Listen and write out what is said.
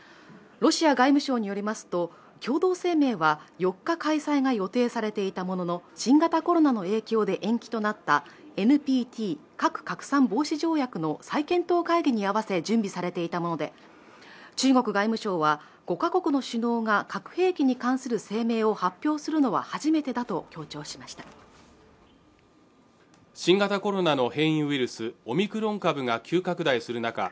ロシア外務省によりますと共同声明は４日開催が予定されていたものの新型コロナの影響で延期となったＮＰＴ＝核拡散防止条約の再検討会議に合わせ準備されていたもので中国外務省は５か国の首脳が核兵器に関する声明を発表するのは初めてだと強調しました新型コロナの変異ウイルスオミクロン株が急拡大する中